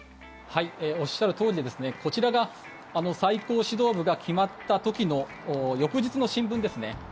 おっしゃるとおりでこちらが最高指導部が決まった時の翌日の新聞ですね。